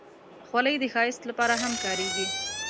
خولۍ د ښایست لپاره هم کارېږي.